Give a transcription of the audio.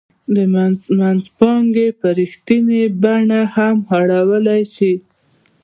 دا منځپانګې په رښتینې بڼه هم اړولای شي